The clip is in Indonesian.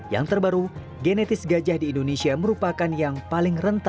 yang terbaru genetis gajah di indonesia merupakan yang paling rentan